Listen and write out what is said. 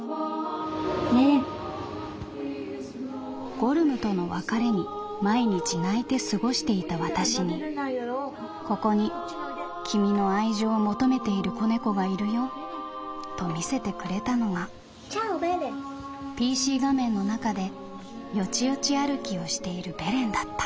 「ゴルムとの別れに毎日泣いて過ごしていたわたしに『ここに君の愛情を求めている仔猫がいるよ』と見せてくれたのがＰＣ画面の中でよちよち歩きをしているベレンだった」。